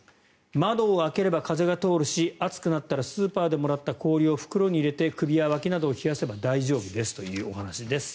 窓を開ければ風が通るし暑くなったらスーパーでもらった氷を袋に入れて首やわきなどを冷やせば大丈夫ですというお話です。